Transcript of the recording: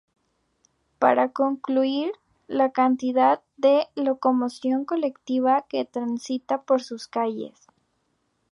Para concluir, la cantidad de locomoción colectiva que transita por sus calles.